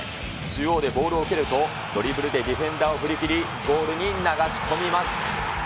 中央でボールを受けるとドリブルでディフェンダーを振り切り、ゴールに流し込みます。